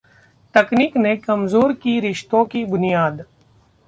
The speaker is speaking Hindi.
तकनीक ने कमजोर की रिश्तों की बुनियाद!